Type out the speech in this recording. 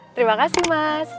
terima kasih mas